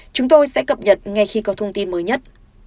chúng tôi sẽ cập nhật ngay khi có thông tin mới nhất